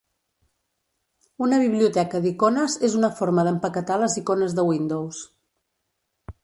Una biblioteca d'icones és una forma d'empaquetar les icones de Windows.